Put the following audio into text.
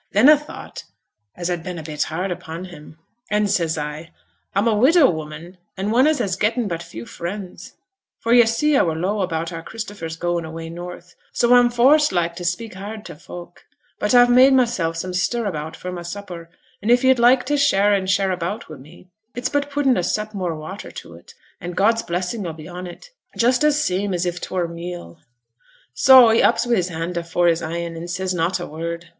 Then a thought as a'd been a bit hard upon him. An' says I, "A'm a widow woman, and one as has getten but few friends:" for yo' see a were low about our Christopher's goin' away north; "so a'm forced like to speak hard to folk; but a've made mysel' some stirabout for my supper; and if yo'd like t' share an' share about wi' me, it's but puttin' a sup more watter to 't, and God's blessing 'll be on 't, just as same as if 't were meal." So he ups wi' his hand afore his e'en, and says not a word.